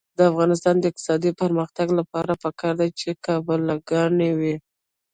د افغانستان د اقتصادي پرمختګ لپاره پکار ده چې قابله ګانې وي.